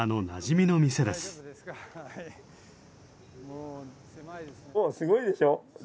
もうすごいでしょ。